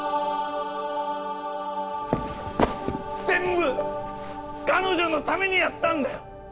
全部彼女のためにやったんだよ